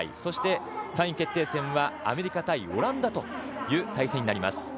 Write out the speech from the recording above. そして３位決定戦はアメリカ対オランダという対戦になります。